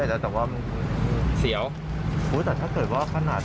แต่ถามว่าเจ็บไหมงาน